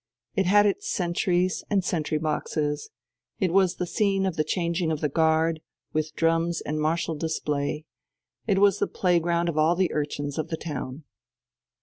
It had its sentries and sentry boxes; it was the scene of the changing of the guard, with drums and martial display; it was the playground of all the urchins of the town.